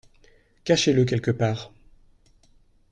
Cachez-le quelque part.